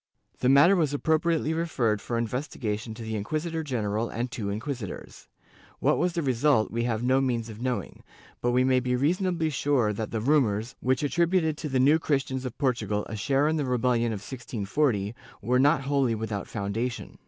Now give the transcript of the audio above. The matter was appropriately referred for investigation to the inquisitor general and two inquisitors.^ What was the result, we have no means of knowing, but we may be reasonably sure that the rumors, which attributed to the New Christians of Portugal a share in the rebellion of 1640, were not wholly without foundation.